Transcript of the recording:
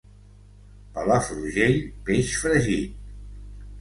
Palafrugell, peix fregit.